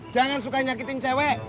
jangan sukai nyakitin cewek